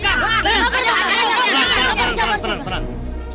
tenang tenang tenang